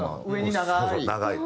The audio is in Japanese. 長い。